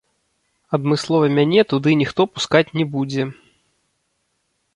Адмыслова мяне туды ніхто пускаць не будзе.